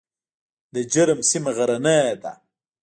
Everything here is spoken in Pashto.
د جرم سیمه غرنۍ ده